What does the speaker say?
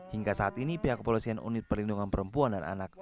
hingga saat ini pihak kepolisian unit perlindungan perempuan dan anak